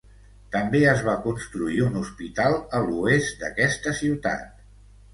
També es va construir un hospital a l'oest d'aquesta ciutat.